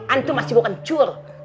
antum masih bukan cur